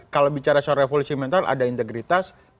kalau bicara soal revolusi mental ada integritas